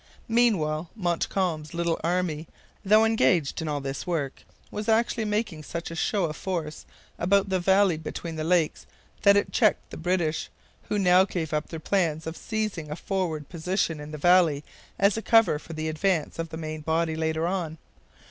Meanwhile Montcalm's little army, though engaged in all this work, was actually making such a show of force about the valley between the lakes that it checked the British, who now gave up their plan of seizing a forward position in the valley as a cover for the advance of the main body later on.